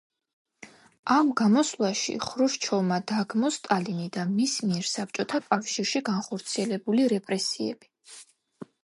ამ გამოსვლაში ხრუშჩოვმა დაგმო სტალინი და მის მიერ საბჭოთა კავშირში განხორციელებული რეპრესიები.